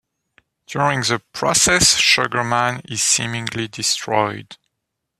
During the process, Sugar Man is seemingly destroyed.